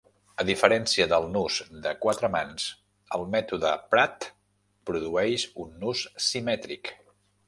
A diferència del nus de quatre mans, el mètode Pratt produeix un nus simètric.